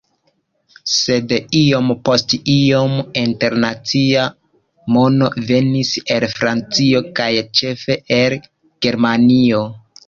Sed iom post iom internacia mono venis el Francio kaj ĉefe el Germanio.